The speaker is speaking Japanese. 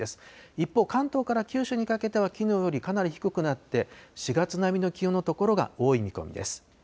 一方、関東から九州にかけてはきのうよりかなり低くなって、４月並みの気温の所が多い見込みです。